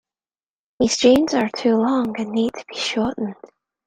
These jeans are too long, and need to be shortened.